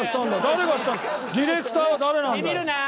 ディレクターは誰なんだよ？